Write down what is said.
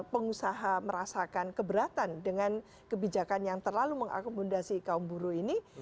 pengusaha merasakan keberatan dengan kebijakan yang terlalu mengakomodasi kaum buruh ini